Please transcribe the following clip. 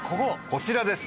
こちらです。